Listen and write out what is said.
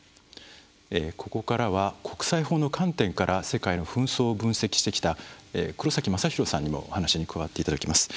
ここからは国際法の観点から世界の紛争を分析してきた黒将広さんにもお話に加わっていただきます。